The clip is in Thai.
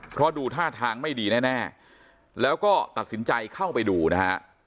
เพราะดูท่าทางไม่ดีแน่แล้วก็ตัดสินใจเข้าไปดูนะฮะ